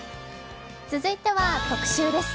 続いては特集です。